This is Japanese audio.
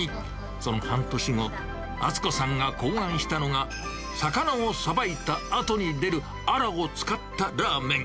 その半年後、温子さんが考案したのが、魚をさばいたあとに出るアラを使ったラーメン。